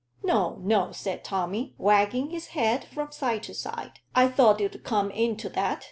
"No, no," said Tommy, wagging his head from side to side. "I thought you'd come in to that.